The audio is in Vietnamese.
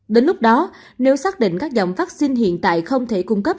đến lúc đó nếu xác định các dòng vaccine hiện tại không thể cung cấp